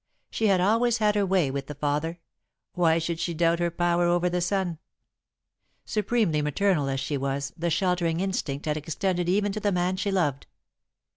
She had always had her way with the father why should she doubt her power over the son? Supremely maternal as she was, the sheltering instinct had extended even to the man she loved.